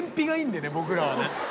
僕らはね